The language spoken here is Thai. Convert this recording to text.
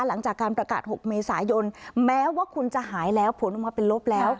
หลังจากการประกาศ๖เมษายนแม้ว่าคุณจะหายแล้วผลออกมาเป็นลบแล้ว